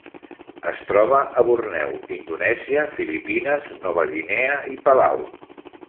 Es troba a Borneo, Indonèsia, Filipines, Nova Guinea i Palau.